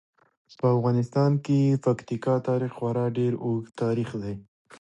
په افغانستان کې د پکتیکا تاریخ خورا ډیر اوږد تاریخ دی.